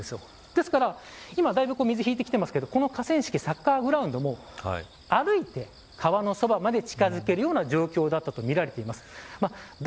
ですから今だいぶ水が引いてきてますが河川敷のサッカーグラウンドも歩いて川のそばまで近づけるような状況だったとみられています。